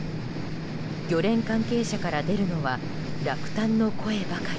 漁連関係者から出るのは落胆の声ばかり。